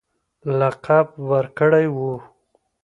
لقب ورکړی وو.